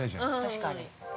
◆確かに。